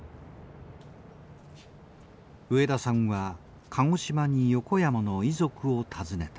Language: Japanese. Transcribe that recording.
植田さんは鹿児島に横山の遺族を訪ねた。